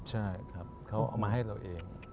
ใช่ครับเขาเอามาให้เราเอง